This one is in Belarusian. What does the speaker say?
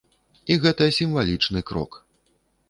І гэта сімвалічны крок.